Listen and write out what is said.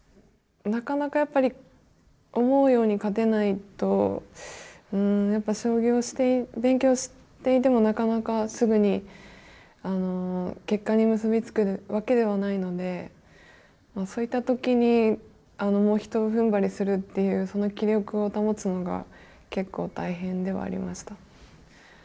なかなかやっぱり思うように勝てないとやっぱり将棋をして勉強していてもなかなかすぐに結果に結び付くわけではないのでそういった時にもうひとふんばりするっていうその気力を保つのが結構大変ではありました。